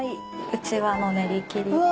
うちわの練り切りです。